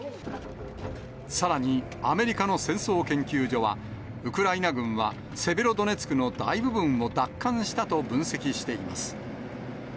さらにアメリカの戦争研究所は、ウクライナ軍はセベロドネツクの大部分を奪還したと分析しています。